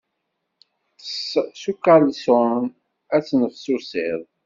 Ṭṭes s ukalṣun, ad tennefsusiḍ.